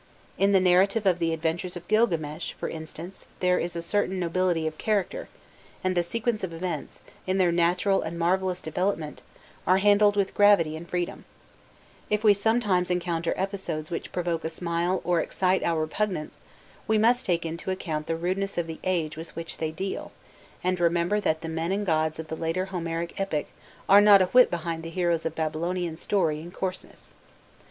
In the narrative of the adventures of Grilgames, for instance, there is a certain nobility of character, and the sequence of events, in their natural and marvellous development, are handled with gravity and freedom: if we sometimes encounter episodes which provoke a smile or excite our repugnance, we must take into account the rudeness of the age with which they deal, and remember that the men and gods of the later Homeric epic are not a whit behind the heroes of Babylonian story in coarseness.